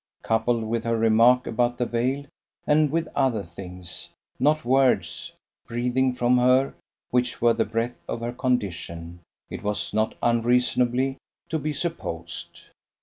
Coupled with her remark about the Veil, and with other things, not words, breathing from her (which were the breath of her condition), it was not unreasonably to be supposed.